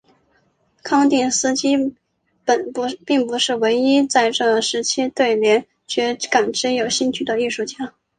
康定斯基并不是唯一在这一时期对联觉感知有兴趣的艺术家。